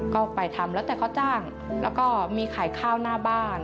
ก็ไปทำแล้วแต่เขาจ้างแล้วก็มีขายข้าวหน้าบ้าน